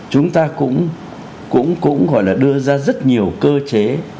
chúng ta cũng gọi là đưa ra rất nhiều cơ chế